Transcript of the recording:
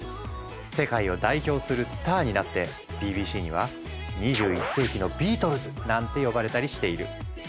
世界を代表するスターになってＢＢＣには「２１世紀のビートルズ」なんて呼ばれたりしている。